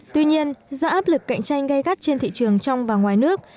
tuy nhiên do áp lực cạnh tranh gây gắt trên thị trường trong và ngoài nước